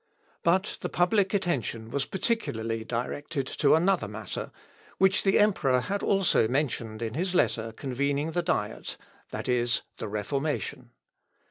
But the public attention was particularly directed to another matter, which the emperor had also mentioned in his letter convening the Diet, viz., the Reformation.